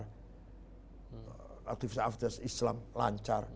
artifisat artifisat islam lancar